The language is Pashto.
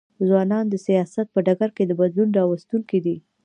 ځوانان د سیاست په ډګر کي د بدلون راوستونکي دي.